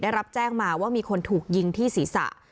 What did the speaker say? ได้รับแจ้งมาว่ามีคนถูกยิงที่ศีรษะ